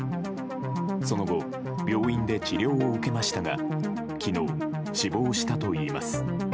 その後病院で治療を受けましたが昨日、死亡したといいます。